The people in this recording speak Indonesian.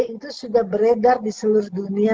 itu sudah beredar di seluruh dunia